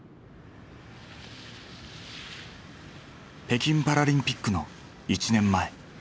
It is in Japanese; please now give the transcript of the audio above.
北京パラリンピックの１年前。